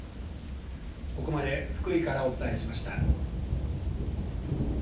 ここまで福井からお伝えしました。